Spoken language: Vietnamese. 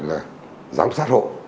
và giám sát hội